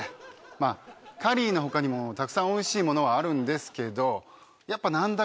まぁカリーのほかにもたくさんおいしいものはあるんですけどやっぱなんだ